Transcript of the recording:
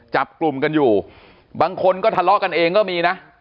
จับกลุ่มกันอยู่บางคนก็ทะเลาะกันเองก็มีนะ